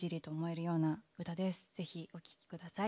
ぜひお聴きください。